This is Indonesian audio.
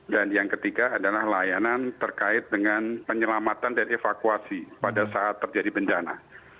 dan yang ketiga adalah layanan terkait dengan penyelamatan dan evakuasi pada saat terjadi bencana